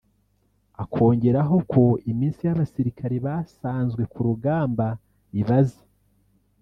akongeraho ko iminsi y’abasirikare basanzwe ku rugamba ibaze